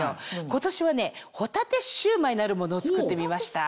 今年は帆立シュウマイなるものを作ってみました。